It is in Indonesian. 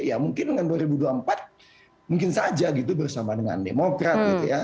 ya mungkin dengan dua ribu dua puluh empat mungkin saja gitu bersama dengan demokrat gitu ya